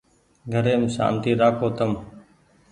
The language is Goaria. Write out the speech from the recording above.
گھريم سآنتي رآکو تم ۔